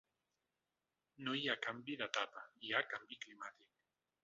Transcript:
No hi ha canvi d’etapa, hi ha canvi climàtic.